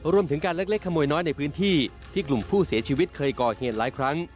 รวมถึงการเล็กขโมยน้อยในพื้นที่ที่กลุ่มผู้เสียชีวิตเคยก่อเหตุหลายครั้ง